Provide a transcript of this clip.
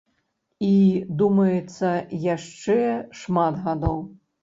І, думаецца, яшчэ шмат гадоў.